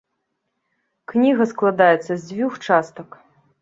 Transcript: Кніга складаецца з дзвюх частак.